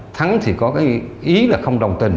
thắng có ý là không đồng tình